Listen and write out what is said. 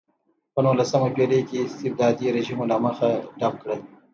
په نولسمه پېړۍ کې استبدادي رژیمونو مخه ډپ کړه.